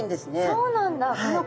そうなんだ。